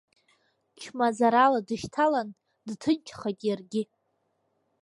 Чмазарала дышьҭаланы, дҭынчхеит иаргьы.